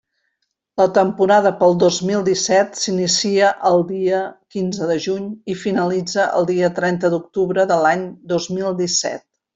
La temporada pel dos mil disset s'inicia el dia quinze de juny i finalitza el dia trenta d'octubre de l'any dos mil disset.